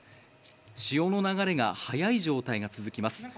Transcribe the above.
潮の流れが速い状態が続きます。